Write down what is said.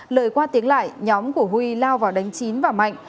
lời qua tiếng lại nhóm của huy lao vào đánh chín và mạnh